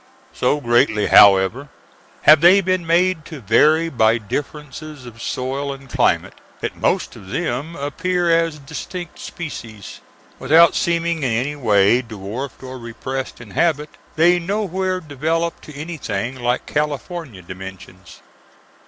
So greatly, however, have they been made to vary by differences of soil and climate, that most of them appear as distinct species. Without seeming in any way dwarfed or repressed in habit, they nowhere develop to anything like California dimensions.